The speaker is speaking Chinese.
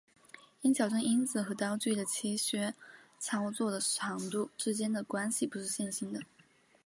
此校正因子和刀具的切削操作的长度之间的关系不是线性的。